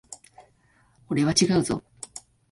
俺は違うぞ。